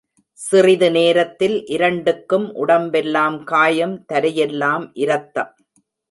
சிறிது நேரத்தில் இரண்டுக்கும் உடம்பெல்லாம் காயம் தரையெல்லாம் இரத்தம்!